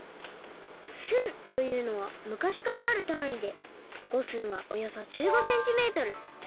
寸というのはむかしからあるたんいで五寸はおよそ１５センチメートル。